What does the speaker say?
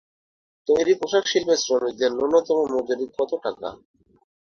তৈরি পোশাকশিল্পের শ্রমিকদের ন্যূনতম মজুরি কত টাকা?